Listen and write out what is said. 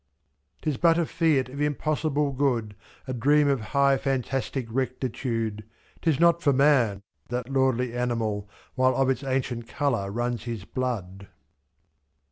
'Tis but a fiat of impossible good, A dream of high fantastic rectitude ; /ij/Tis not for man, that lordly animal. While of its ancient colour runs his blood.